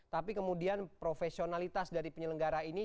tapi kemudian profesionalitas dari penyelenggara ini